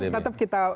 tetap kita bangun